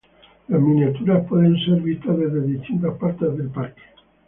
Las miniaturas pueden ser vistas desde distintas partes del parque.